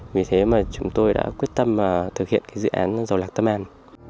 vì thế mà chúng tôi đã quyết tâm thực hiện cái dự án dầu lạc tân an